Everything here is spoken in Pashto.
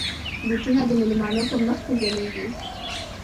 بوټونه د مېلمنو په مخ کې ځلېږي.